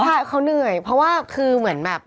ใช่เขาเหนื่อยเพราะว่าคือเหมือนแบบ